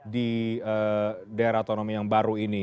di daerah otonomi yang baru ini